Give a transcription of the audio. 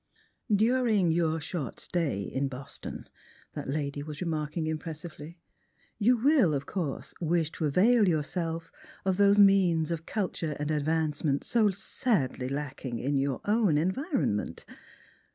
*' During your short stay in Boston," that lady was remark ing impressively, "you will, of course, wish to avail yourself of those means of culture and advancement so sadly lacking in your own environment.